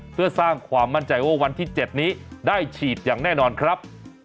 เพื่อสร้างความมั่นใจว่าวันที่๗นี้ได้ฉีดอย่างแน่นอนครับ